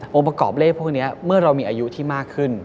ประกอบเลขพวกนี้เมื่อเรามีอายุที่มากขึ้น